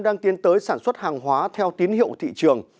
đang tiến tới sản xuất hàng hóa theo tín hiệu thị trường